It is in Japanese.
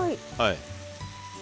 はい。